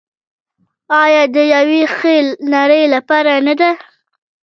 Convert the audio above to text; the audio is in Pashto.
آیا د یوې ښې نړۍ لپاره نه ده؟